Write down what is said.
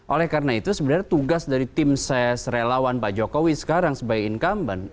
oleh karena itu sebenarnya tugas dari tim ses relawan pak jokowi sekarang sebagai incumbent